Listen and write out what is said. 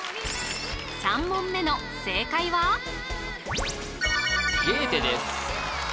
３問目の正解はゲーテです